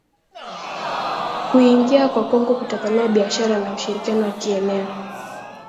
Kuingia kwa Kongo kutapanua biashara na ushirikiano wa kieneo